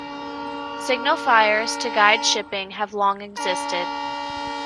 Signal fires to guide shipping have long existed.